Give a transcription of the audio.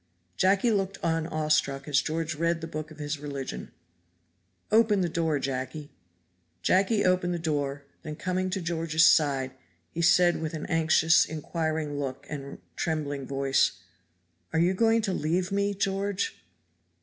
Jacky looked on awestruck as George read the book of his religion. "Open the door, Jacky." Jacky opened the door; then coming to George's side, he said with an anxious, inquiring look and trembling voice, "Are you going to leave me, George?"